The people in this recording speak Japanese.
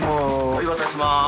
・はい渡します。